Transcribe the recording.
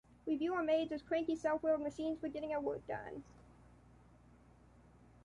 We view our maids as cranky self-willed machines for getting our work done.